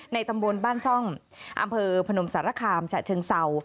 ตำบลบ้านซ่องอำเภอพนมสารคามฉะเชิงเศร้า